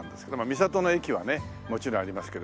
三郷の駅はねもちろんありますけど。